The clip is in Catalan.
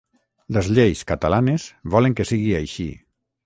Les lleis catalanes volen que sigui així.